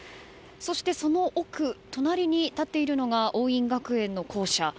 そして、その奥隣に立っているのが桜蔭学園の校舎。